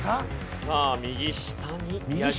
さあ右下に矢印。